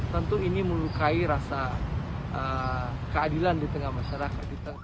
tentu ini melukai rasa keadilan di tengah masyarakat kita